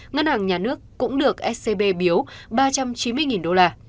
ngân hàng nhà nước cũng được scb biếu ba trăm chín mươi đô la